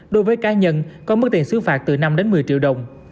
đối với cá nhân có mức tiền xứ phạt từ năm một mươi triệu đồng